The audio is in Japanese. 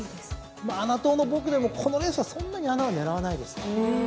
穴党の僕でもこのレースはそんなに穴は狙わないですね。